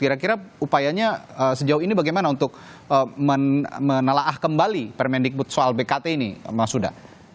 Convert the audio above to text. kira kira upayanya sejauh ini bagaimana untuk menelaah kembali permendikbud soal bkt ini mas huda